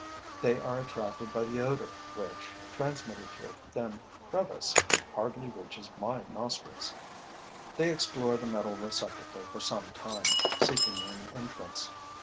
They are attracted by the odor which, transmitted through a thin crevice, hardly reaches my nostrils. They explore the metal receptacle for some time, seeking an entrance.